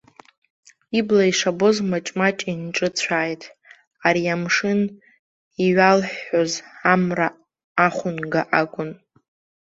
Ибла ишабоз маҷ-маҷ инҿыцәааит, ари амшын иҩалҳәҳәоз амра ахәынга акәын.